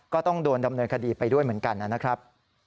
ก็ต้องโดนดำเนินคดีไปด้วยเหมือนกันนะครับ